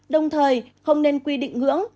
đồng thời không nên quy định ngưỡng